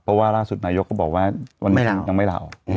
เพราะว่าล่าสุดนายกก็บอกว่าวันนี้ยังไม่ลาออก